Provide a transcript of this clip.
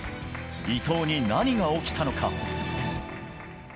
伊藤に何が起きたのか。